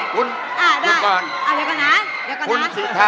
คุณอยู่ก่อน